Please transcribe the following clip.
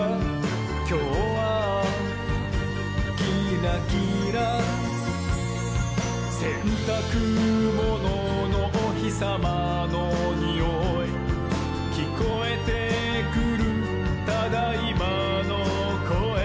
「きょうはキラキラ」「せんたくもののおひさまのにおい」「きこえてくる『ただいま』のこえ」